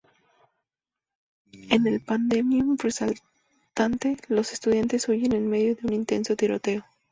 En el pandemonium resultante, los estudiantes huyen en medio de un intenso tiroteo.